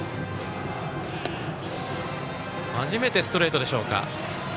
初めてストレートでしょうか。